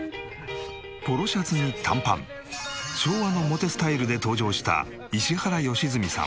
ポロシャツに短パン昭和のモテスタイルで登場した石原良純さん６１歳。